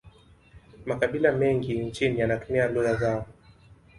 makabila mengi nchini yanatumia lugha zao